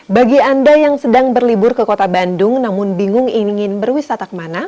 bagi anda yang sedang berlibur ke kota bandung namun bingung ingin berwisata kemana